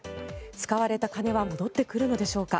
使われた金は戻ってくるのでしょうか。